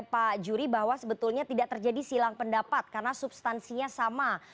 pak juri bahwa sebetulnya tidak terjadi silang pendapat karena substansinya sama